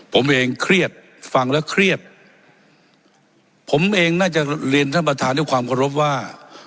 ผมเองเครียดฟังแล้วเครียดผมเองน่าจะเรียนท่านประธานด้วยความเคารพว่า